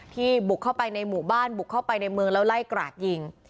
บุกเข้าไปในหมู่บ้านบุกเข้าไปในเมืองแล้วไล่กราดยิง